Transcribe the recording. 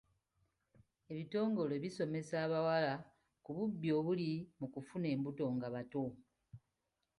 Ebitongole bisomesa abawala ku bubi obuli mu kufuna embuto nga bato.